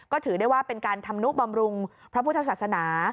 ก็ถือได้ว่าเป็นการทำนุบำรุงพระพุทธศาสนา